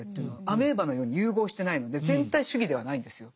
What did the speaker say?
アメーバのように融合してないので全体主義ではないんですよ。